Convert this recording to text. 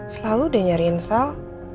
selalu dia nyariin sal